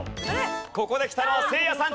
ここできたのはせいやさん。